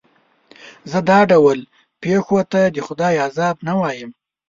زه دا ډول پېښو ته د خدای عذاب نه وایم.